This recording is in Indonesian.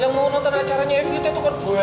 yang mau nonton acaranya evita itu kan buahnya loh